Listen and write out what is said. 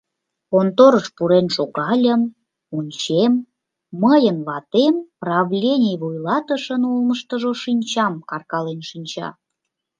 Конторыш пурен шогальым, ончем, мыйын ватем правлений вуйлатышын олмыштыжо шинчам каркален шинча.